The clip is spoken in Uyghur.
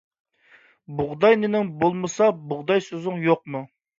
بۇغداي نېنىڭ بولمىسا، بۇغداي سۆزۈڭ يوقمۇ.